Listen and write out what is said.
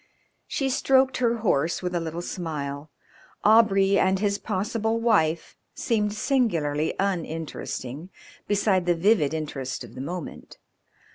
She stroked her horse with a little smile. Aubrey and his possible wife seemed singularly uninteresting beside the vivid interest of the moment.